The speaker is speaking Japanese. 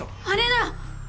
あれだ！